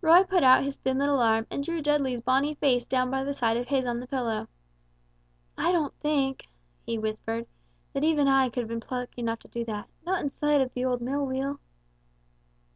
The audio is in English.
Roy put out his thin little arm and drew Dudley's bonny face down by the side of his on the pillow. "I don't think," he whispered, "that even I could have been plucky enough to do that not in sight of that old mill wheel!"